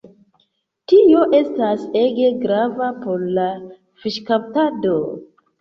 Tio estas ege grava por la fiŝkaptado.